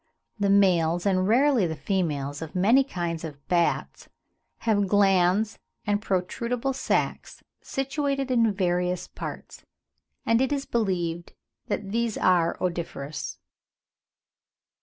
The males, and rarely the females, of many kinds of bats have glands and protrudable sacks situated in various parts; and it is believed that these are odoriferous.